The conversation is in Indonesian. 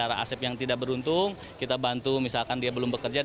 ada asep yang tidak beruntung kita bantu misalkan dia belum bekerja